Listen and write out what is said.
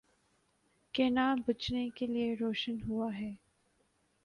کہ نہ بجھنے کے لیے روشن ہوا ہے۔